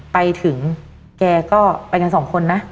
ไปถึงแกก็ไปกันสองคนนะ